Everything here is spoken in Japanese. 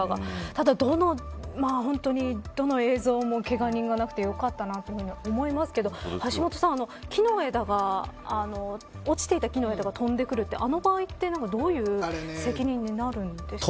ただ、本当にどの映像もけが人がなくてよかったなと思いますけど橋下さん落ちていた木の枝が飛んでくるってあの場合ってどういう責任になるのでしょうか。